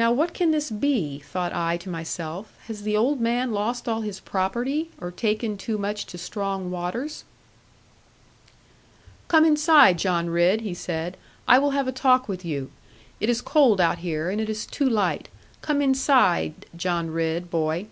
'Now what can this be?' thought I to myself, 'has the old man lost all his property, or taken too much to strong waters?' 'Come inside, John Ridd,' he said; 'I will have a talk with you. It is cold out here; and it is too light. Come inside, John Ridd, boy.'